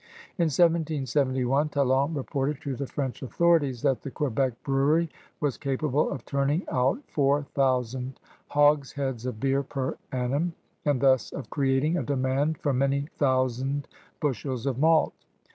In 1771 Talon reported to the French authorities that the Quebec brewery was capable of tiuning out four thousand hogsheads of beer per anniun, and thus of creating a demand for many thousand bushels of malt.